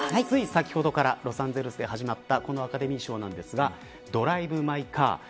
つい先ほどからロサンゼルスで始まったアカデミー賞なんですがドライブ・マイ・カー